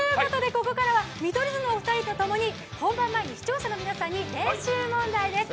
ここからは見取り図のお二人とともに本番前に視聴者の皆さんに練習問題です。